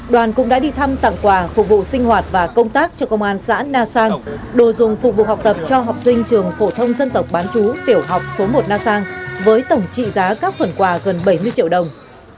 đoàn cũng đã đi thăm tặng quà phục vụ sinh hoạt và công tác cho công an xã na sang đồ dùng phục vụ học tập cho học sinh trường phổ thông dân tộc bán chú tiểu học số một na sang với tổng trị giá các phần quà gần bảy mươi triệu đồng